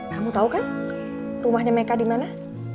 kamu tau kan rumahnya meka di mana